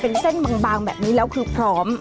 เป็นเส้นบางแบบนี้แล้วคือพร้อม